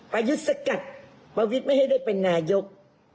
ประยุทธ์สกัดประวิทย์ไม่ให้ได้เป็นนายก